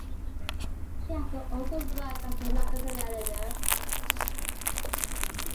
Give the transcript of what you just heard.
She has also worked as a magazine editor.